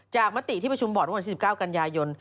จากมติที่ประชุมบอร์ดวัน๑๙กันยายน